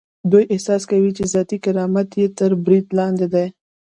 دوی احساس کوي چې ذاتي کرامت یې تر برید لاندې دی.